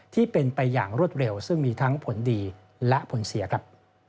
ที่เป็นไปอย่างรวดเร็วซึ่งมีทั้งผลดีและผลเสียครับ